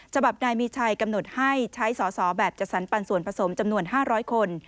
ฉบับนายมีชัยกำหนดให้ใช้สอสอแบบจัดสรรปันส่วนผสมจำนวน๕๐๐คน